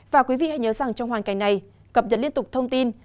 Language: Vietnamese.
và quý vị hãy nhớ rằng trong hoàn cảnh này cập nhật liên tục thông tin